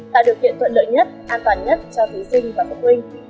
tạo điều kiện tuận lợi nhất an toàn nhất cho thí sinh và phục huynh